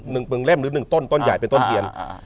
หนึ่งต้นต้นใหญ่เป็นต้นเทียน